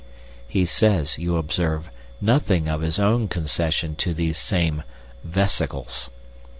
(He says, you observe, nothing of his own concession to these same "vesicles.")